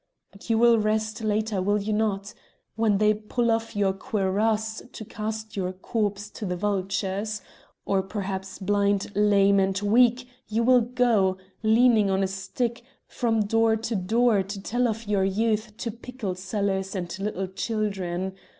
But you will rest later, will you not? When they pull off your cuirass to cast your corpse to the vultures! or perhaps blind, lame, and weak you will go, leaning on a stick, from door to door to tell of your youth to pickle sellers and little children.